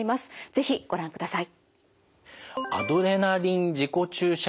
是非ご覧ください。